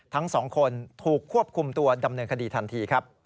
ทั้งสองคนถูกควบคุมตัวดำเนินคดีทันทีครับ